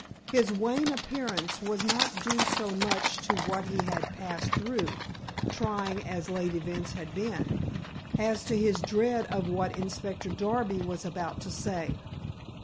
His wan appearance was not due so much to what he had passed through, trying as late events had been, as to his dread of what Inspector Darby was about to say.